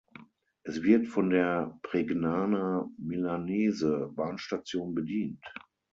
Es wird von der Pregnana Milanese-Bahnstation bedient.